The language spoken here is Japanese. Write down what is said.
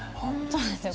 そうなんですよ。